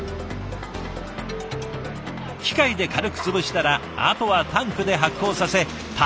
機械で軽く潰したらあとはタンクで発酵させたるで熟成。